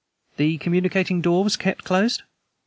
"The communicating door was kept closed?"